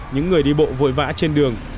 những người đi bộ vội vã trên đường